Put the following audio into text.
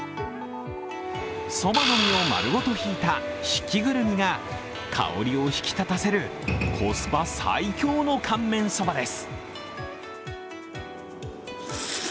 そばの実を丸ごとひいたひきぐるみが香りを引き立たせるコスパ最強の乾麺そばです。